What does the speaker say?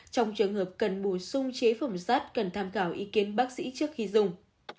trong trường hợp cần bù sung chế phẩm sắt cần tham khảo ý kiến bác sĩ trước khi dùng